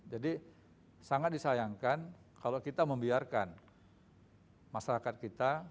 jadi sangat disayangkan kalau kita membiarkan masyarakat kita